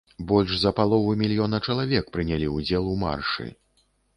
Больш за палову мільёна чалавек прынялі ўдзел у маршы.